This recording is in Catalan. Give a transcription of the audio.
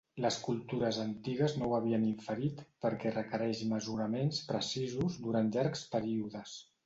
Les cultures antigues no ho havien inferit perquè requereix mesuraments precisos durant llargs períodes.